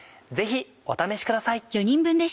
ぜひお試しください。